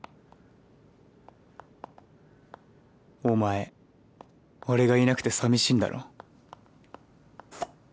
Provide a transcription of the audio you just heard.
「お前、俺がいなくて寂しいんだろ？」。